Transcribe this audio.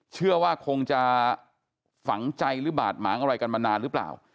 เชื่อว่าคงจะฝังใจหรือบาดหมางอะไรกันมานานหรือเปล่า